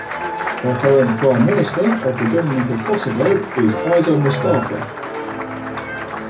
The current Prime Minister of the Government of Kosovo is Isa Mustafa.